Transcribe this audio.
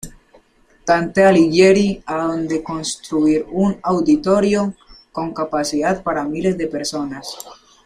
Dante Alighieri, adonde construir un "auditorio", con capacidad para miles de personas.